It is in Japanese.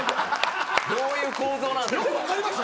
どういう構造なんですか？